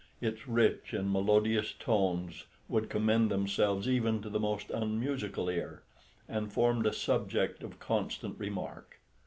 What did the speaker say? Its rich and melodious tones would commend themselves even to the most unmusical ear, and formed a subject of constant remark.